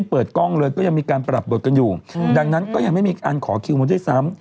เปิดกล้องเลยก็ยังมีการปรับบทกันอยู่ดังนั้นก็ยังไม่มีการขอคิวมาด้วยซ้ำ